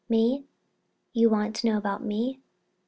Me?—you want to know about me?